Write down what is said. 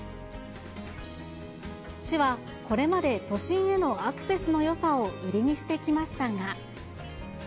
市はこれまで、都心へのアクセスのよさを売りにしてきましたが。